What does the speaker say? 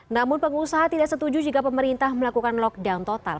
namun pengusaha tidak setuju jika pemerintah melakukan lockdown total